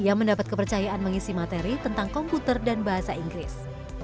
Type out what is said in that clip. ia mendapat kepercayaan mengisi materi tentang komputer dan bahasa inggris